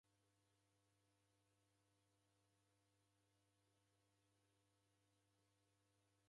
Nikaririkanya agho ubonyere nasumbuka.